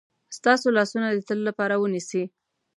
ستاسو لاسونه د تل لپاره ونیسي.